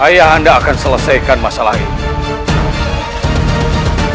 ayah anda akan selesaikan masalah ini